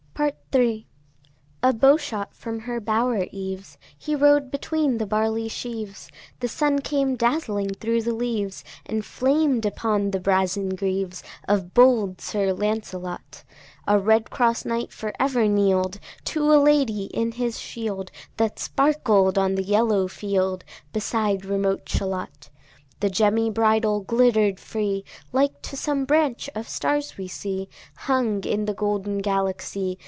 Part III. A bow shot from her bower eaves, He rode between the barley sheaves, The sun came dazzling thro' the leaves, And flamed upon the brazen greaves Of bold Sir Lancelot. A redcross knight for ever kneel'd To a lady in his shield, That sparkled on the yellow field, Beside remote Shalott. The gemmy bridle glitter'd free, Like to some branch of stars we see Hung in the golden Galaxy.